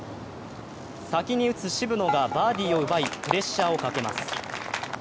先に打つ渋野がバーディーを奪いプレッシャーをかけます。